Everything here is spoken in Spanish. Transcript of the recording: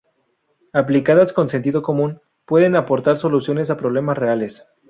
Aplicadas con sentido común, pueden aportar soluciones a problemas reales.